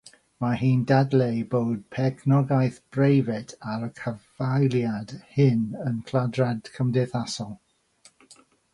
Mae hi'n dadleu bod perchnogaeth breifat ar y caffaeliaid hyn yn lladrad cymdeithasol.